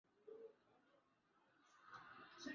mauaji hayo yalikuwa chanzo cha mauaji ya kimbari